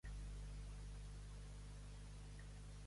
Qui vingui darrere, que arree.